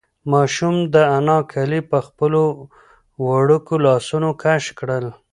ماشوم د انا کالي په خپلو وړوکو لاسونو کش کړل.